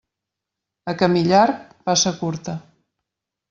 A camí llarg, passa curta.